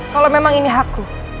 kalau memang ini hakku